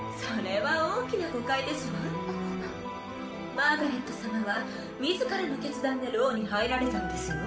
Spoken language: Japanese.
マーガレット様は自らの決断で牢に入られたのですよ。